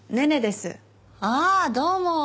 ああどうも。